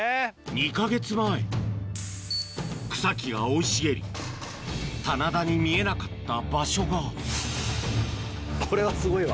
２か月前草木が生い茂り棚田に見えなかった場所がこれはすごいわ。